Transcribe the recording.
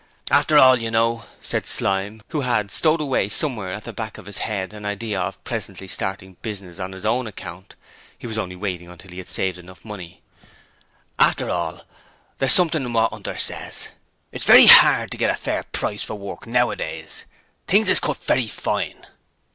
'After all, you know,' said Slyme, who had stowed away somewhere at the back of his head an idea of presently starting business on his own account: he was only waiting until he had saved enough money, 'after all, there's something in what 'Unter says. It's very 'ard to get a fair price for work nowadays. Things IS cut very fine.'